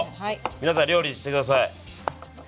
皆さん料理して下さい。